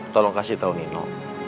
tolong kasih tahu nino